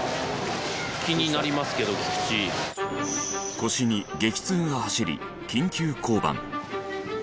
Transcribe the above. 腰に激痛が走り緊急降板。